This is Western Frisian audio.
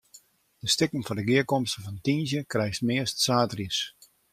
De stikken foar de gearkomste fan tiisdei krijst meast saterdeis.